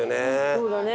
そうだね。